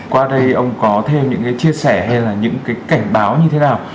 qua đây ông có thêm những cái chia sẻ hay là những cái cảnh báo như thế nào